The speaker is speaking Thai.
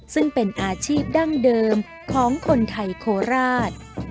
ซึ่งเป็นอาชีพดั้งเดิมของคนไทยโคราช